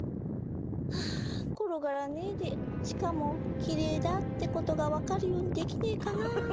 ハァ転がらねえでしかもきれいだってことが分かるようにできねえかな。